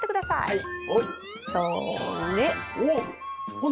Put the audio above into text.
はい。